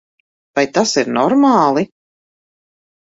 Vai tas ir normāli?